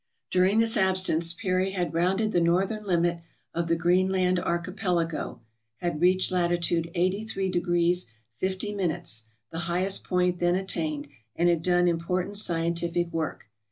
During this absence Peary had rounded the northern limit of the Greenland Archipelago, had reached lat. 830 50', the highest point then attained, and had done important scientific work.